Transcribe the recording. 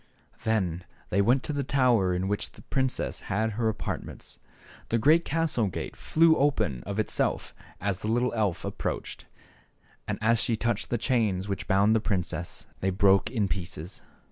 Then they went to the tower in which the princess had her apartments. The great castle gate flew open of itself as the little elf ap proached, and as she touched the chains which bound the princess they broke in pieces.